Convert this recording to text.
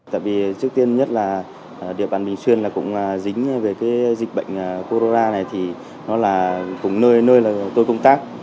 tại vì trước tiên nhất là địa bàn bình xuyên là cũng dính với cái dịch bệnh corona này thì nó là cũng nơi tôi công tác